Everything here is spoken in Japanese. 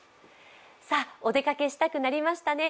お出かけしたくなりましたね。